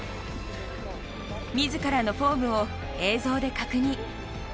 自らのフォームを映像で確認。